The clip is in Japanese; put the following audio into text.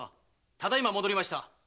ただ今戻りました。